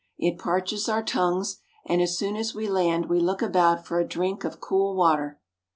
It parches our tongues, and as soon as we land we look about for a drink of cool water.